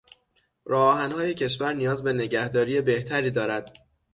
راهآهنهای کشور نیاز به نگهداری بهتری دارد.